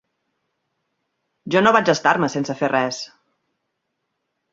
Jo no vaig estar-me sense fer res.